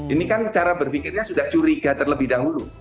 ini kan cara berpikirnya sudah curiga terlebih dahulu